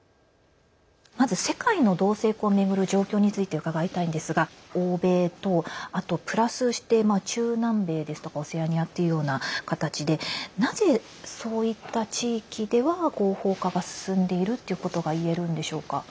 まず、世界の同性婚を巡る状況について伺いたいんですが欧米と、あとプラスして中南米ですとかオセアニアっていうような形でなぜ、そういった地域では合法化が進んでいるということがいえるんでしょうか。